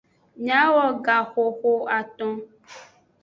Miawo gaxoxoaton.